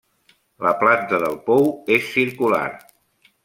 La planta del pou és circular.